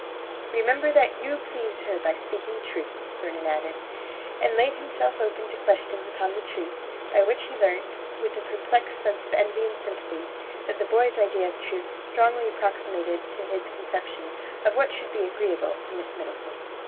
"Remember that you please her by speaking truth," Vernon added, and laid himself open to questions upon the truth, by which he learnt, with a perplexed sense of envy and sympathy, that the boy's idea of truth strongly approximated to his conception of what should be agreeable to Miss Middleton.